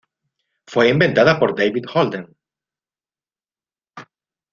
Fue inventada por David Holden.